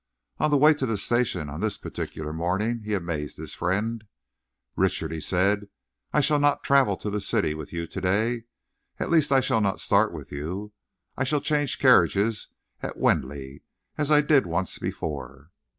On the way to the station, on this particular morning, he amazed his friend. "Richard," he said, "I shall not travel to the City with you to day. At least I shall not start with you. I shall change carriages at Wendley, as I did once before."